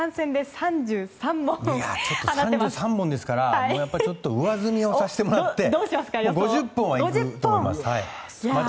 ３３本ですから上積みさせてもらって５０本は行くと思います。